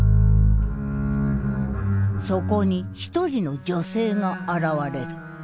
そこに一人の女性が現れる。